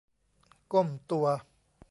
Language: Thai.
ก้มตัว